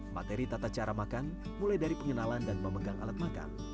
materi tata cara makan mulai dari pengenalan dan memegang alat makan